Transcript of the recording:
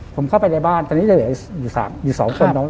ผมเข้าไปในบ้านตอนนี้อยู่๒คน